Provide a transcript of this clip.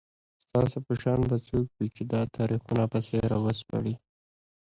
ستاسو په شان به څوک وي چي دا تاریخونه پسي راوسپړي